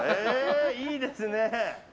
いいですね。